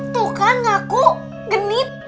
tuh kan ngaku genit